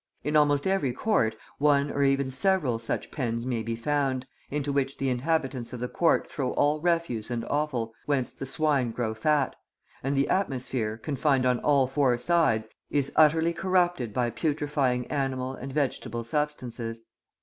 In almost every court one or even several such pens may be found, into which the inhabitants of the court throw all refuse and offal, whence the swine grow fat; and the atmosphere, confined on all four sides, is utterly corrupted by putrefying animal and vegetable substances.